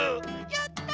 やった！